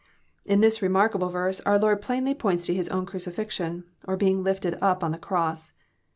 '] In this remark able verse our Lord plainly points to His own crucifixion, or being lifted up on the cross.